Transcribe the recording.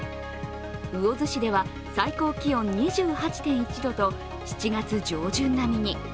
魚津市では最高気温２８．１度と７月上旬並みに。